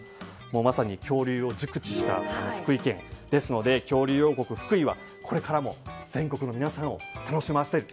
まさに恐竜を熟知した福井県ですので恐竜王国・福井はこれからも全国の皆さんを楽しませる。